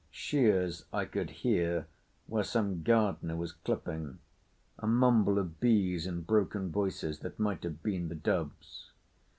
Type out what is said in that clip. Shears I could hear where some gardener was clipping; a mumble of bees and broken voices that might have been the doves.